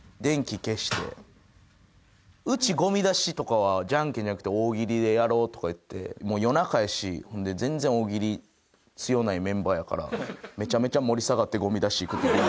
うちゴミ出しとかはジャンケンじゃなくて大喜利でやろうとかいってもう夜中やし全然大喜利強ないメンバーやからめちゃめちゃ盛り下がってゴミ出し行くっていう。